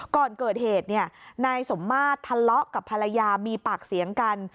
ก่อนเกิดเหตุนายสมมาตรทะเลาะกับภรรยามีปากเสียงกัน